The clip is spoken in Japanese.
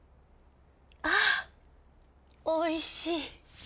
あおいしい。